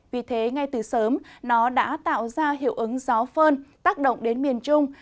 vì thế ngay từ sớm nó đã tạo ra hiệu ứng gió phơn tác động đến miền trung